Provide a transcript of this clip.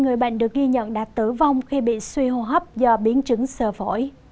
người bệnh được ghi nhận đã tử vong khi bị suy hô hấp do biến chứng sờ vổi